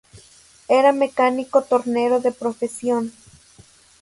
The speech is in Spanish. Era mecánico tornero de profesión.